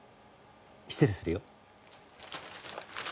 失礼するよ。